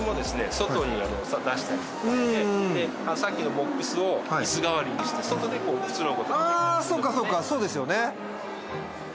外に出したりとかしてさっきのボックスをいす代わりにして外でくつろぐこともできるそうかそうかそうですよね